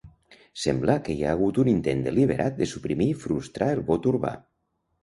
Sembla que hi hagut un intent deliberat de suprimir i frustrar el vot urbà.